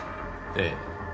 ええ。